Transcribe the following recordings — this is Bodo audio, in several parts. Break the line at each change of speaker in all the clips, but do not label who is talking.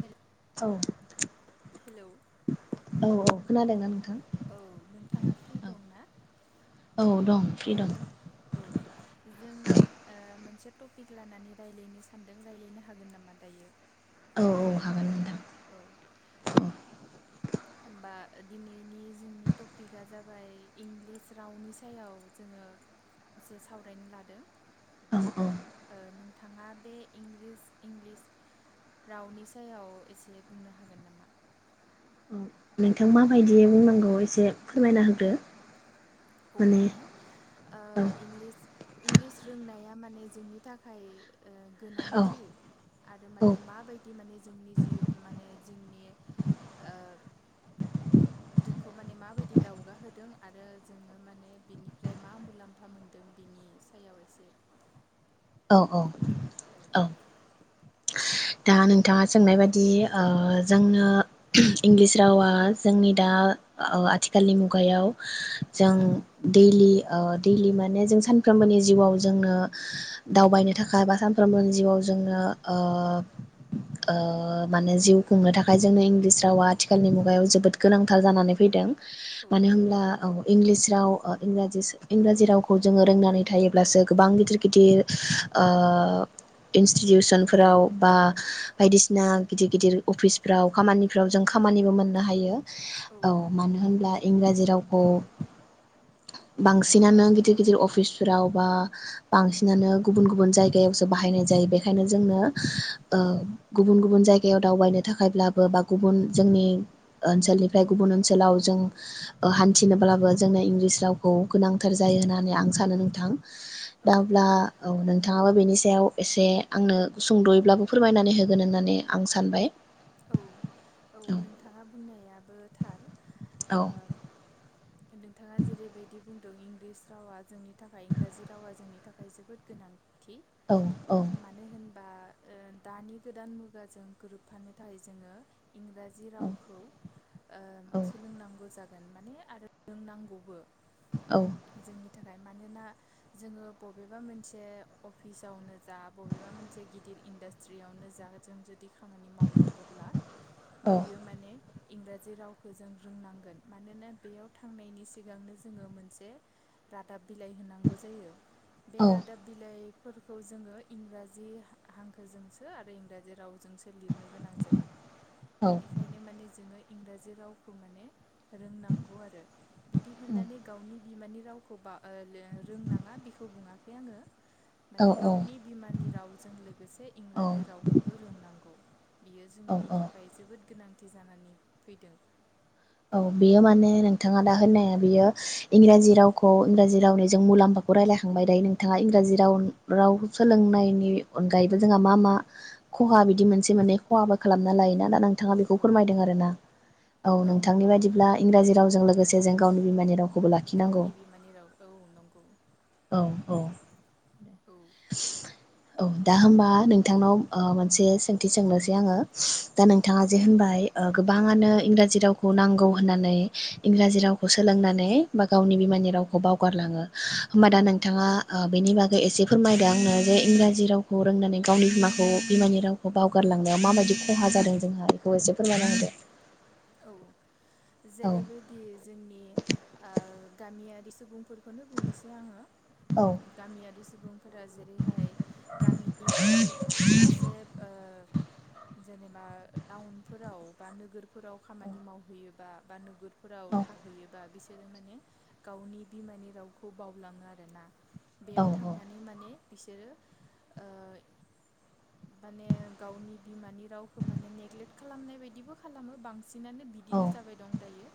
हेल
औ
हेलौ
औ औ खोनादोंना नोंथां?
औ नोंथाङा फ्रि दं ना?
औ दं फ्रि दं
औ जों ओ मोनसे टपिक लानानै रायज्लायनो सानदों रायज्लायनो हागोन नामा दायो?
औ औ हागोन नोंथां
औ होमबा दिनैनि जोंनि टपिकआ जाबाय इंलिस रावनि सायाव जोङो एसे सावरायनो लादों
औ औ
ओ नोंथाङा बे इंलिस इंलिस रावनि सायाव एसे बुंनो हागोन नामा?
नोंथां माबायदियै बुंनांगौ एसे फोरमायना होदो
औ माने ओ
औ
इंलिस-इंलिस रोंनाय या माने जोंनि थाखाय
औ
गोनांथि आरो
औ
माने माबायदि माने जोंनि जिउ माने जोंनि ओ जोंखौ माने माबायदि दावगाहोदों आरो जोङो माने बिनिफ्राय मा मुलाम्फा मोनदों बिनि सायाव एसे
औ औ
औ
ह दा नोंथाङा सोंनाय बायदि जोंनो इंलिस रावा जोंनि दा ओ आथिखालनि मुगायाव ह
औ
जों दैलि ओ दैलि माने जों सानफ्रोमबोनि जिउआव जोंनो दावबायनो थाखाय बा सानफ्रोमबोनि जिउआव जोंनो ओ ओ माने जिउ खुंनो थाखाय जोंनो इंलिस रावा आथिखालनि मुगायाव जोबोद गोनांथार जानानै फैदों
औ
मानो होमब्ला औ इंलिस राव इंराजि रावखौ जोङो रोंनानै थायोब्लासो गोबां गिदिर गिदिर ओ इन्स्टिटिउसनफोराव बा बायदिसिना गिदिर गिदिर अफिसफ्राव खामानिफ्राव जों खामानिबो मोन- नो
औ
हायो औ मानो होनब्ला इंराजि राव खौ बांसिनानो गिदिर गिदिर अफिसफोराव बा बांसिनानो गुबुन गुबुन जायगायावसो बाहायनाय जायो बेखायनो जोंनो
औ
ह ओ गुबुन गुबुन जायगायाव दावबायनो थाखायब्लाबो बा गुबुन जोंनि ओनसोलनिफ्राय गुबुन ओनसोलाव जों ओ हान्थिनोब्लाबो जोंनो इंलिस रावखौ गोनांथार जायो होननानै आं सानो नोंथां
औ
दा अब्ला औ नों थाङा बेनि सायाव एसे आंनो सुंद'यैब्लाबो फोरमायनानै होगोन होननानै आं सानबाय
औ औ नोंथाङा बुंनायाबो थार ओ
औ
नोंथाङा जेरैबायदि बुंदों इंलिस रावा जोंनि थाखाय इंराजि रावा जोंनि थाखाय जोबोद गोनां थि
औ औ
मानो होन बा ओ दानि गोदान मुगाजों गोरोबफानो थाय जोङो इंराजि रावखौ ओ सोलोंनांगौ जा गोन माने आरो रोंनांगौबो
औ
जोंनि थाखाय मानोना जोङो बबेबा मोनसे अफिसावनो जा बबेबा मोनसे गिदिर इन्डास्ट्रियावनो जा जों जुदि खामानि मावनां गोब्ला बियो माने। इंराजि रावखौ जों रोंनांगोन मानोना बेयाव थांनायनि सिगांनो जोङो मोनसे रादाब। बिलाइ होनांगौ जायो बे
औ
रादाब बिलाइ। फोरखौ जोङो इंराजि हा-हांखोजोंसो आरो इंराजि रावजोंसो लिरनो गोनां। जायो बेनिखायनो माने जोङो। इंराजि रावखौ माने रोंनांगौ आरो बिदि होननानै गावनि बिमानि रावखौ बा ओ लो रोंनाङा बेखौ बुङाखै आङो। माने
औ
गावनि बिमानि रावजों लोगोसे
औ
इंराजि रावखौबो रोंनांगौ। बेयो
औ
जोंनि
औ
थाखाय जोबोद। गोनांथि जानानै फैदों।
औ बेयो माने नोंथाङा दा होननाया बियो।
औ
इंराजि रावखौ इंराजि रावनि। जों मुलाम्फाखौ रायलायखांबाय दायो नोंथाङा इंराजि राव। रावखौ सोलोंनायनि अनगायैबो जोंहा मा मा खहा बिदि मोनसे मोननै खहाबो खालामना लायोना। दा
औ
नोंथाङा बेखौ
औ
फोरमायदों आरो ना औ नों नि बादिब्ला इंराजि
नंगौ
रावजों लोगोसे जों गावनि बिमानि राव।
गावनि बिमानि राव औ नंगौ।
औ औ
औ
औ दा होमबा नोंथांनाव ओ मोनसे सोंथि सोंनोसै आङो। दा
औ
नोंथाङा जे होनबाय। ओ गोबाङानो इंराजि राव खौ नांगौ होननानै इंराजि रावखौ सोलोंनानै। बा गावनि बिमानि
औ
रावखौ बावगारलाङो
औ
होमबा दा नोंथाङा ओ बेनि बागै गै एसे फोरमायदो आंनो जे इंराजि रावखौ रोंनानै गावनि बिमाखौ बिमानि रावखौ बावगारलांनायाव माबायदि खहा जादों जोंहा बेखौ एसे फोरमायना होदो।
औ।
औ
जेरैबायदि जोंनि ओ गामिया बि सुबुंफोर। खोनो बुंनिसै आङो
औ
गामियारि सुबुंफोरा जेरैहाय गामिनिफ्राय एसे ओ जेनेबा टाउनफोराव बा नोगोर। फोराव खामानि मावहैयोबा बा नोगोर। फोराव थाहैयोबा बिस बिसोरो माने गावनि बिमानि रावखौ बावलाङो आरो ना। बेयाव
औ
थांनानै माने बिसोरो ओ माने गावनि बिमानि रावखौ माने नेग्लेक्ट खालामनाय बायदिबो खालामो बां बांसिनानो
औ
बिदिनो जाबाय दं दायो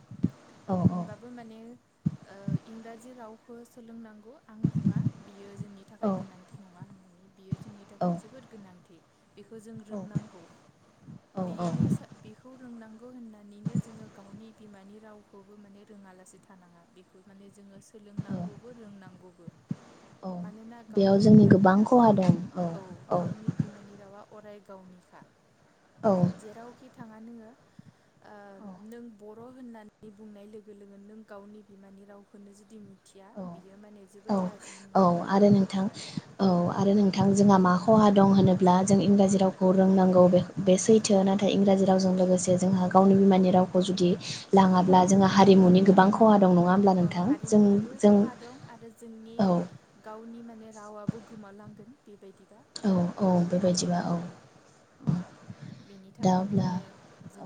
औ
होनबाबो माने ओ इंराजि राव बो सोलोंनांगौ गौ आं बुङा बियो जोंनि थाखाय गोनांथि नङा होननानै बियो जोंनि थाखाय जोबोद गोनांथि बेखौ जों
औ
रोंनांगौ
औ
बिनिसो बेखौ रोंनां होननानैनो जोङो गावनि बिमानि रावखौबो माने रोङालासे थानाङा बेखौ माने जोङो सो सोलोंनांगौबो रोंनांगौबो
औ
मानोना
बेयाव
गावनि
जोंनि
बिमानि
गोबां
रावा
खहा दं
औ गावनि बिमानि रावा अराय गावनिखा।
औ
जेरावखि थाङा नोङो ओ
औ
नों ब बर' होननानै बुंनाय लोगो लोगोन नों गावनि बिमानि रावखौनो जुदि मिथिया
औ
बियो माने
औ
जोबोद
औ
लाजिनो गोनां
आरो
खोथा
नोंथां
आरो
औ आरो नोंथां जोंहा मा खहा दं होनोब्ला जों इंराजि रावखौ रोंनांगौ बे बे सैथो नाथा इंराजि
औ
रावजों लोगोसे जोंहा गावनि बिमानि रावखौ जुदि लाङाब्ला
औ
जोङो हारिमुनि गोबां ख दं नङा होमब्ला
औ
नोंथां
हारिमुनिबो
जों
खहा दं आरो जोंनि
औ
गावनि मा माने रावाबो गोमालांगोन बेबायदि
औ औ बेबायदिबा औ [inaudible]
बेनि
दा
थाखाय माने
अब्ला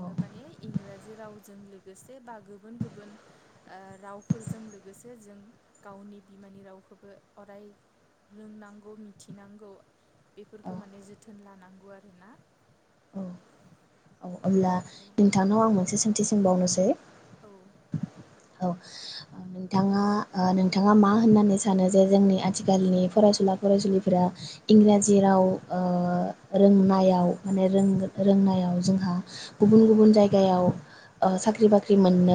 औ
माने इंराजि राव जों लोगोसे बा गुबुन गुबुन ओ रावफोरजों लोगोसे जों गावनि बिमानि रावखौबो अराय रोंनांगौ मिथिनांगौ।
औ
बेफोरखौ माने जोथोन ला नांगौ आरोना
औ औ अब्ला
औ
नोंथांनाव आं मोनसे सों सोंबावनोसै
औ।
औ नोंथाङा नोंथाङा मा होननानै सानो जे जोंनि आथिखालनि फरायसुला फरायसुलिफोरा इंराजि राव ओ रोंनायाव माने रों रोंनायाव जोंहा गुबुन गुबुन जायगायाव ओ साख्रि बाख्रि फाख्रि मोननो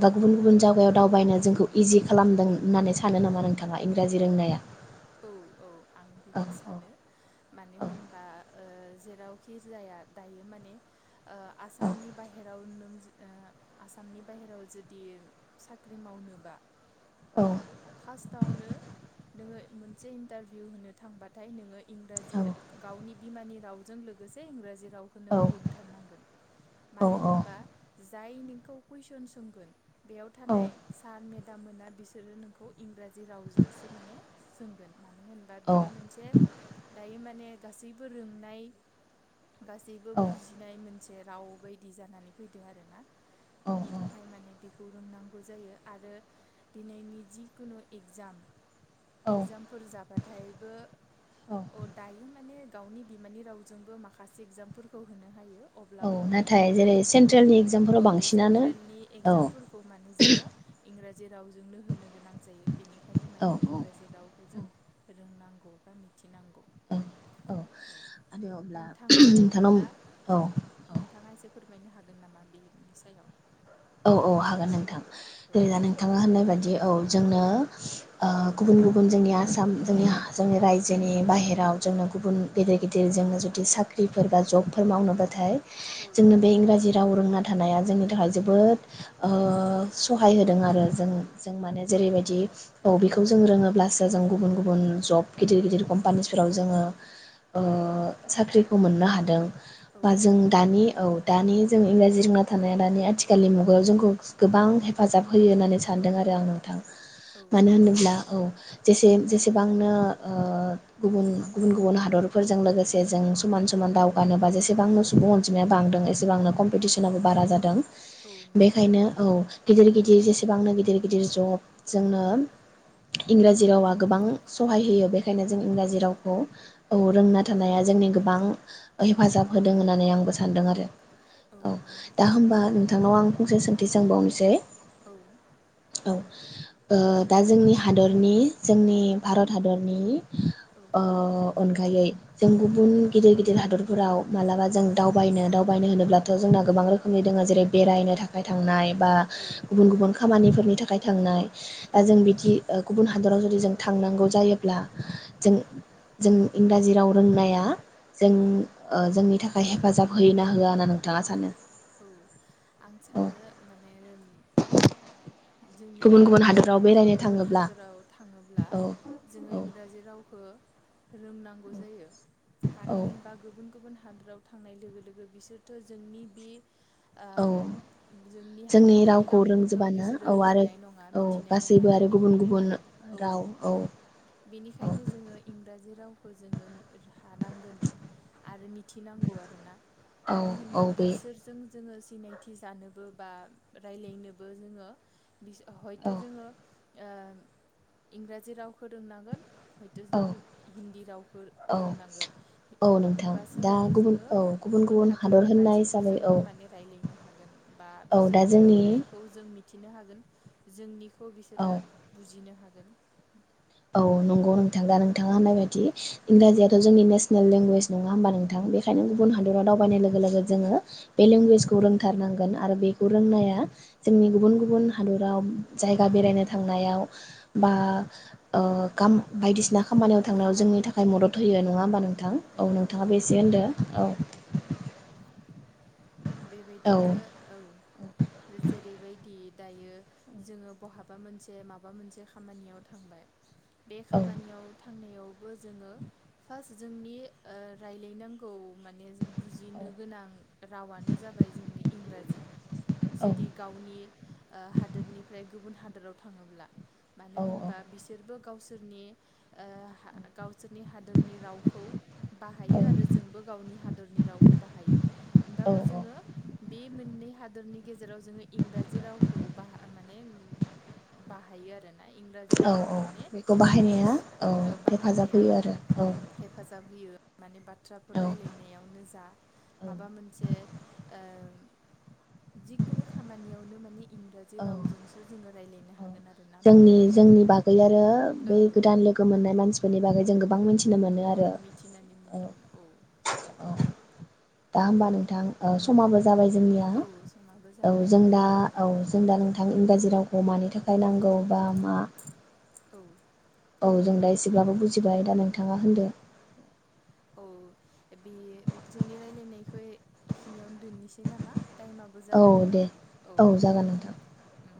एबा गुबुन गुबुन जायगायाव दावबायनो जोंखौ इजि खालामदों होननानै सानो नामा नोंथाङा इंराजि रोंनाया।
औ औ। आं
औ
बिखौ
औ
सानो मानो होनबा। ओ जेरावखि जाया दायो माने ओ आसामनि बाहेर राव नों आसामनि बाहेराव जुदि साख्रि मावनोबा
औ
फार्स्टावनो नोङो मोनसे इन्टारभिउ होनो थांबाथाय नोङो
औ
इंराजि गावनि बिमानि रावजों लोगोसे इंराजि रावखौ नोङो रोंथारनांगोन
औ
मानो होनबा जाय नोंखौ कुइसन सोंगोन बेयाव थानाय सार मेद दा मोना बिसोरो नों खौ इंराजि रावजोंसो माने सोंगोन मानो होनबा बियो मोनसे दायो माने गासैबो रोंनाय गासैबो बुजिनाय मोनसे बे राव बायदि जानानै फैदों आरोना। बिनि
औ
थाखाय माने बेखौ रोंनांगौ जायो आरो दिनैनि जि कुनु एगजाम
औ
एक्जामफोर जाबा नाथायबो।
औ
अ दायो माने गावनि बिमानि रावजोंबो माखासे एगजामफोरखौ होनो हायो
औ
अब्लाबो माने
नाथाय जेरै
इंराजि
सेन्ट्रेलनि एगजामफोराव
औ
बांसिनानो
सेन्ट्रेलनि
औ
एगजामफोरखौ माने जोङो इंराजि रावजोंनो होनो गोनां जायो। बेनिखायनो
औ
माने
औ
इंराजि रावखौ जों। रोंनांगौ बा मिथिनांगौ
औ
औ
आरो अब्ला
नोंथांनि
नोंथांनाव
बायदिब्ला
औ औ
नोंथाङा एसे फोरमायनो हागोन नामा बेनि सायाव
औ औ हागोन नोंथां
औ
जेरैबा नोंथाङा होननाय बादि औ जोंनो ओ गुबुन गुबुन जोंनि आसाम जोंनि जोंनि रायजोनि बाहेराव जोंनो गुबुन गेदिर गिदिर जोंनो जुदि साख्रिफोर बा जबफोर मावनोबाथाय
औ
जोंनो बे इंराजि राव रोंना थानाया जोंनि थाखाय जोबोद ओ सहाय होदों आरो जों जों
औ
माने जेरैबायदि औ बेखौ जों रोङोब्लासो जों गुबुन गुबुन गुबुन जब गिदिर गिदिर कम्पानिसफोराव जोङो ओ साख्रिखौ मोननो हादों।
औ
बा जों
नंगौ
दानि औ दानि जों इंराजि रिङा थानाय दानि आथिख आथिखालनि मुगायाव जोंखौ गोबां हेफाजाब होयो होननानै सानदों आरो आं नोंथां।
औ
मानो
नंगौ
होनोब्ला औ जसे जेसेबांनो गुबुन गुबुन गुबुन हादरफोरजों लोगोसे जों समान समान दावगानोबा जेसेबांनो सुबुं अनजिमाया बांदों एसेबांनो कम्पिटिसनाबो बारा जादों।
औ नंगौ
बेखायनो औ गिदिर गिदिर जेसेबांनो गिदिर गिदिर जब जोंनो इंराजि रावा गोबां सहाय होयो बे ओंखायनो जों
औ
इंराजि रावखौ औ रोंना थानाया जोंनि गोबां हेफाजाब होदों होननानै आंबो सानदों आरो औ दा होमबा औ आं फंसे सोंथि सोंबावनोसै
औ
ओ औ दा जोंनि हादरनि जोंनि भारत हादरनि
औ
ओ अनगायै जों गुबुन गिदिर गिदिर हादर फोराव मालाबा जों दावबायनो दावबायनो होनोब्लाथ' जोंना गोबां रोखोमनि दङ जेरै बेरायनो थाखाय थांनाय बा गुबुन गुबुन खामानिफोरनि थाखाय खाय थांनाय ओ जों
औ
बिदि ओ गुबुन हादराव जुदि जों थांनांगौ जायोब्ला जों
औ
जों इंराजि राव रोंनाया जों ओ जोंनि थाखाय हेफाजाब होयोना होआ होनना नोंथाङा सानो?
औ आं
औ
सानो माने जोंनि
गुबुन गुबुन
ओ
हादराव
गुबुन
बेरायनो
गुबुन
थाङोब्ला
हादराव थाङोब्ला
औ
जोङो
औ
इंराजि रावखौ हो रोंनांगौ जायो मानो
औ
होनबा गुबुन गुबुन हादोराव थांनाय लोगो लोगो बिसोरथ' जोंनि बे ओ
औ
जोंनि हादोरनि
रावखौ
रावखौथ'
रोंजोबानो
बिसोरो
औ आरो
रोंनाय नङा
औ
मिथिनाय नङा
गासैबो आरो गुबुन
बेनिखायनो
गुबुन
औ
राव औ औ
बेनिखायनो जोङो इंराजि राव जोङो हानांगोन आरो मिथिनांगौ आरोना
औ
मानो
औ
होनबा
बे
बिसोर जोङो सिनायथि जानोबो बा राय्लायनोबो जोङो हयथ'
औ
जोङो ओ इंराजि रावखौ रोंनांगोन। हयथ'
औ
जों हिन्दी रावखौ
औ
रोंनांगोन
औ नोंथां
होमबासो
दा
माने
गुबुन
जोङो
औ
गुबुन
हादर
हादरनि
होननाय
मानसिफोर
हिसाबै औ
जोंबो माने रायज्लायनो हागोन बा
औ दा
बिसोरनि
जोंनि
बुंनायखौ जों मि थिनो हागोन जोंनि खौ
औ
बिसोरो बुजिनो हागोन। नो
औ नंगौ नोंथां दा नोंथाङा होननाय बायदि दि इंराजियाथ' जोंनि नेसनेलेंगुवेज नङा होनबा नोंथां बे [unintelligible] गुबुन
औ
हादराव दावबायनाय लोगो लोगो जोङो बे
औ
लेंगुवेजखौ रोंथारनांगोन आरो बेखौ
औ
रोंनाया जोंनि गुबुन गुबुन हादराव जायगा बेरायनो थांनायाव बा ओ गाम बायदिसिना खामानियाव थांनायाव जोंनि
खामानियाव
थाखाय
औ
मदद होयो नङा होमबा नोंथां औ नोंथाङाबो एसे होनदो औ। औ
बेबायदिनो औ जेरैबायदि दायो जोङो बहाबा मोनसे माबा मोनसे खामानियाव थांबाय। बे
औ
खामानियाव थांनायाव बो जोङो फार्स्ट जोंनि ओ रायजलायनांगौ माने बुजिनो गोनां रावानो जाबाय जोंनि इंराजि
औ
जुदि गावनि ओ हादोरनिफ्राय गुबुन हादोर हादाराव थाङोब्ला मानो
औ
होनबा बिसोरबो गावसोर नि ओ हा गाव जोंनि हादरनि रावखौ बाहायो आरो
औ
जोंबो गावनि हादोरनि रावखौ बाहायो। होनबाबो
औ
जोङो बे मोन मोननै हादरनि गेजेराव जोङो इंराजि रावखौ बाह माने ओम बाहायो आरो
औ औ बेखौ
बिस
बाहायनाया
ओ
औ हेफाजाब
बाहायनाया
होयो आरो औ
हेफाजाब होयो माने बा थ्राफोर
औ
रायलायनायावनो जा माबा मोन से ओ जिखुनु खामानियावनो माने इंराजि
औ
रावजोंसो जोङो रायलायनो
औ
हागोन आरोना मानो
जोंनि
होनबा
जोंनि बागै आरो
औ
बै गोदान लोगो मोननाय मानसिफोरनि बागै जों गो बां मानसि
औ मिथिनानै मोनगोन औ
औ दा होमबा नोंथां ओ समाबो जाबाय जोंनिया
समाबो
औ
जाबाय
जोंना औ जोंना नों थां इंराजि रावखौ मानि थाखाय नांगौ बा मा
औ
औ जों दा एसेब्लाबो बुजिबाय दा नोंथाङा होनदो।
औ बे जोंनि रायलायनायखौ ए-एखिनियावनो दोननिसै नामा? टाइमआबो
औ
जाबाय
दे
औ
जागोन नोंथां
उम